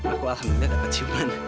aku alhamdulillah dapat ciuman